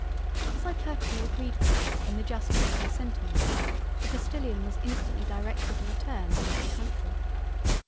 As I perfectly agreed with her in the Justice of her Sentiments the Postilion was instantly directed to return into the Country.